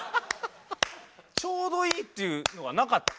ちょうどいいっていうのがなかった。